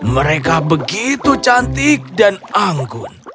mereka begitu cantik dan anggun